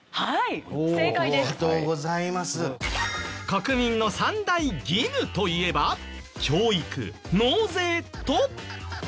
国民の３大義務といえば教育納税と？